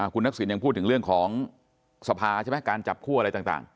คุณทักษิณยังพูดถึงเรื่องของสภาใช่ไหมการจับคั่วอะไรต่าง